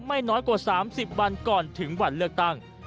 ไม่น้อยกว่า๓๐วันก่อนถึงวันเลือกตั้ง